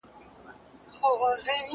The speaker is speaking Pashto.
زه کولای سم چپنه پاک کړم!؟